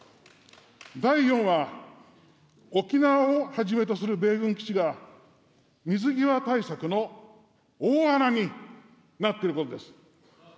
第４は、沖縄をはじめとする米軍基地が、水際対策の大穴になっていることです。